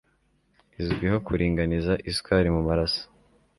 izwiho kuringaniza isukari mu maraso